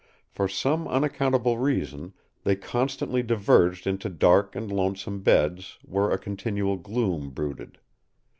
For some unaccountable reason, they constantly diverged into dark and lonesome beds, where a continual gloom brooded.